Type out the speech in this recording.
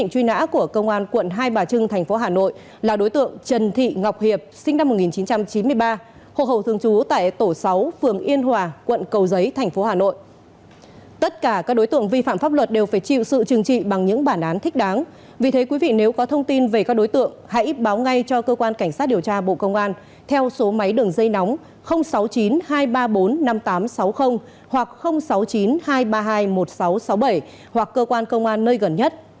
hãy báo ngay cho cơ quan cảnh sát điều tra bộ công an theo số máy đường dây nóng sáu mươi chín hai trăm ba mươi bốn năm nghìn tám trăm sáu mươi hoặc sáu mươi chín hai trăm ba mươi hai một nghìn sáu trăm sáu mươi bảy hoặc cơ quan công an nơi gần nhất